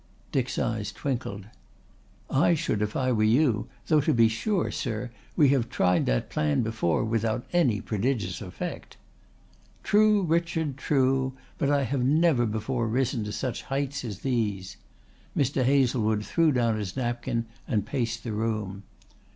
Dick's eyes twinkled. "I should if I were you, though to be sure, sir, we have tried that plan before without any prodigious effect." "True, Richard, true, but I have never before risen to such heights as these." Mr. Hazlewood threw down his napkin and paced the room.